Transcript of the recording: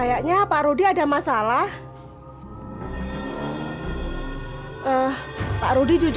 pak aku lapar pak